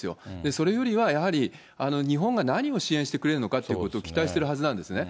それよりは、やはり日本が何を支援してくれるのかっていうことを期待してるはずなんですね。